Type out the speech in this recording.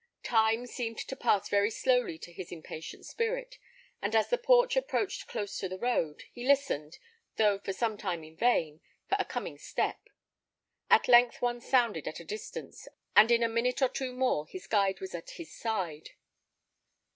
Time seemed to pass very slowly to his impatient spirit, and as the porch approached close to the road, he listened, though for some time in vain, for a coming step. At length one sounded at a distance, and in a minute or two more his guide was at his side.